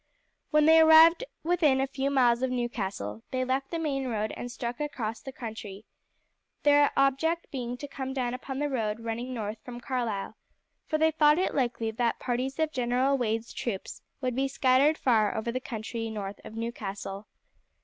When they arrived within a few miles of Newcastle they left the main road and struck across country, their object being to come down upon the road running north from Carlisle, for they thought it likely that parties of General Wade's troops would be scattered far over the country north of Newcastle.